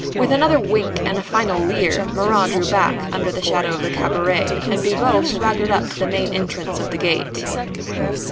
With another wink and a final leer, Marat drew back under the shadow of the cabaret, and Bibot swaggered up to the main entrance of the gate.